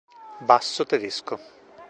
Basso tedesco